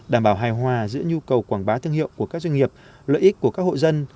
đảm bảo hài hòa giữa nhu cầu quảng bá thương hiệu của các doanh nghiệp lợi ích của các hộ dân